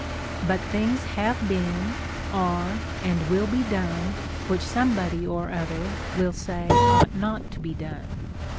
319 But things have been, are, and will be done, Λvhich some body or other will say ought not to be done.